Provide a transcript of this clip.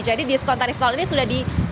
jadi diskon tarif tol ini sudah disediakan